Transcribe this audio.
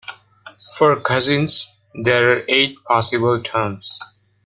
For cousins, there are eight possible terms.